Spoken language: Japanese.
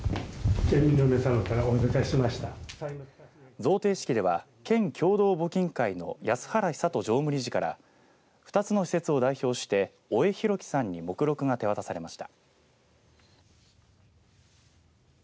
贈呈式では県共同募金会の安原寿人常務理事から２つの施設を代表して麻植裕生さんに目録が手渡されました。